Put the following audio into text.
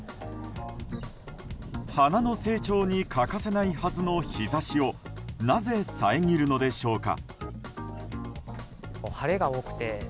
花の成長に欠かせないはずの日差しをなぜ、遮るのでしょうか。